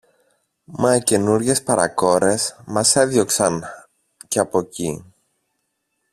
Μα οι καινούριες παρακόρες μας έδιωξαν και από κει